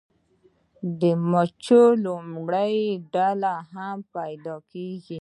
د مچیو لومړنۍ ډلې هم پیدا کیږي